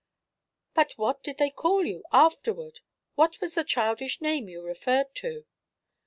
"But what did they call you, afterward? What was the childish name you referred to?"